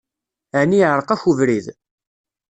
Ɛni iɛṛeq-ak webrid?